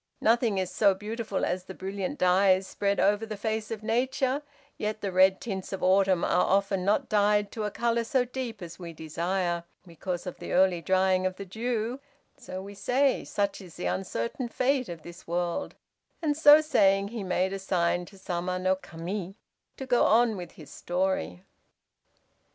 Nothing is so beautiful as the brilliant dyes spread over the face of Nature, yet the red tints of autumn are often not dyed to a color so deep as we desire, because of the early drying of the dew, so we say, 'such is the uncertain fate of this world,'" and so saying, he made a sign to Sama no Kami to go on with his story.